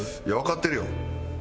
いやわかってるよ。